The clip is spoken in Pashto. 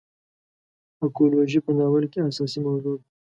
اکولوژي په ناول کې اساسي موضوع ده.